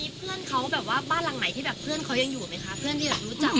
มีเพื่อนเขาแบบว่าบ้านหลังไหนที่แบบเพื่อนเขายังอยู่ไหมคะเพื่อนที่หลังรู้จัก